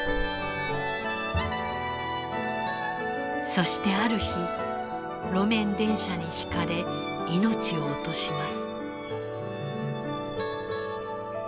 そしてある日路面電車にひかれ命を落とします。